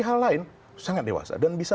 hal lain sangat dewasa dan bisa